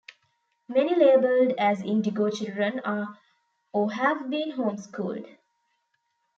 Many labeled as indigo children are or have been home schooled.